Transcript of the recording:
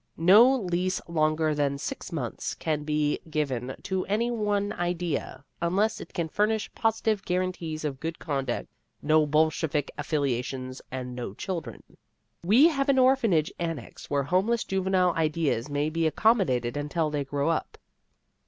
No lease longer than six months can be given to any one idea, unless it can furnish positive guarantees of good conduct, no bolshevik affiliations and no children. We have an orphanage annex where homeless juvenile ideas may be accommodated until they grow up.